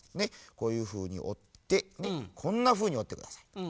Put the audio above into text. こういうふうにおってこんなふうにおってくださいね。